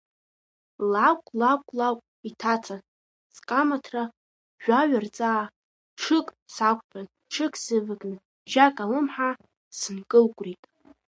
Лакә, лакә, лакә, иҭаца, Скамарҭа жәаҩа рҵаа, ҽык сақәтәан, ҽык сывакны, Жьак алымҳа сынкылкәрит!